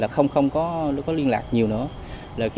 không có liên lạc nhiều nữa